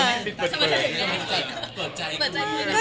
เปิดใจ